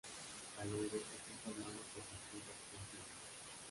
Calonge está formado por distintas entidades.